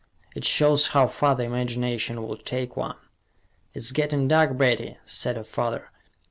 It shows how far the imagination will take one." "It's getting dark, Betty," said her father.